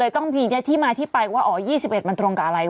ต้องมีที่มาที่ไปว่าอ๋อ๒๑มันตรงกับอะไร